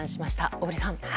小栗さん。